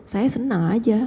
saya senang aja